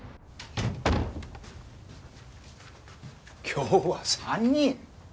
今日は３人？